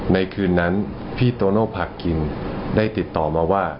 ในคืนนั้นพี่โตโน่ผักกินได้ติดต่อมาว่า